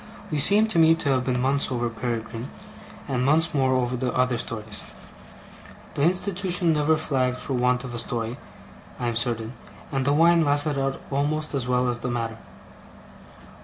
We seem, to me, to have been months over Peregrine, and months more over the other stories. The institution never flagged for want of a story, I am certain; and the wine lasted out almost as well as the matter.